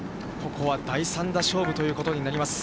ここは第３打勝負ということになります。